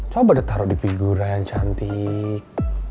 coba ditaruh di figura yang cantik